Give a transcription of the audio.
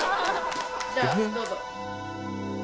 じゃあどうぞ。